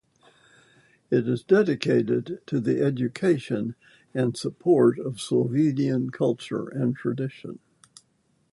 It is dedicated to the education and support of Slovenian culture and tradition.